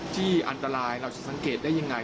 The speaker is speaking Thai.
ที่อันตรายเราจะสังเกตได้ยังไง